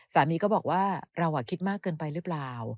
สามีก็บอกว่าเราคิดมากเกินไปหรือเปล่า